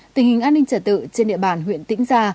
tình hình an ninh trả tự trên địa bàn huyện tĩnh gia